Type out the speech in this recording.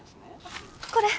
これ！